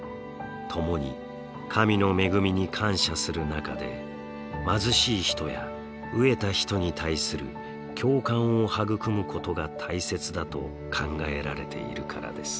共に神の恵みに感謝する中で貧しい人や飢えた人に対する共感を育むことが大切だと考えられているからです。